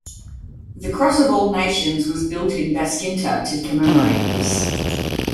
The Cross of All Nations was built in Baskinta to commemorate this.